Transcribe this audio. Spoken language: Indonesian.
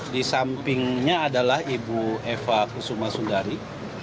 di sampingnya adalah ibu eva kusuma sundari